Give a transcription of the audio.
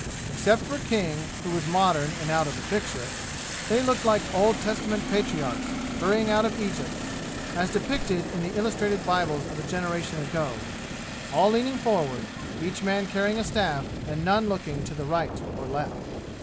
Except for King, who was modern and out of the picture, they looked like Old Testament patriarchs, hurrying out of Egypt, as depicted in the illustrated Bibles of a generation ago all leaning forward each man carrying a staff and none looking to the right or left.